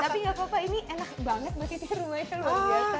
tapi gak apa apa ini enak banget mbak titi rumahnya luar biasa